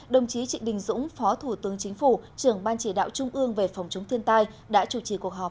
đồng chí trịnh đình dũng phó thủ tướng chính phủ trưởng ban chỉ đạo trung ương về phòng chống thiên tai đã chủ trì cuộc họp